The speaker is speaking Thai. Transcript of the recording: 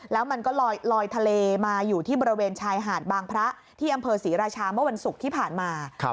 แล้วมันก็ลอยทะเลมาอยู่ที่บริเวณชายหาดบางพระที่อำเภอศรีราชาเมื่อวันศุกร์ที่ผ่านมา